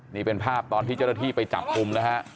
นี่เป็นภาพตอนที่เจ้าตะที่ไปจับคุม